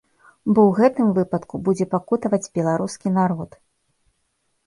Бо ў гэтым выпадку будзе пакутаваць беларускі народ.